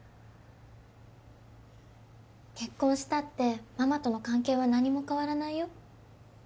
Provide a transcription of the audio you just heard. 結婚したってママとの関係は何も変わらないよ。